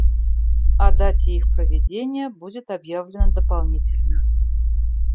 О дате их проведения будет объявлено дополнительно.